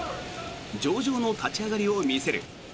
上々の立ち上がりを見せる。